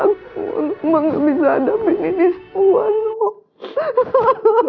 mama gak bisa hadapin ini semua ya allah